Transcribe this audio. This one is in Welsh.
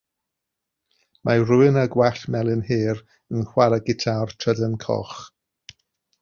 Mae rhywun â gwallt melyn hir yn chwarae gitâr trydan coch.